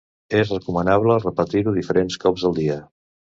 És recomanable repetir-ho diferents cops al dia.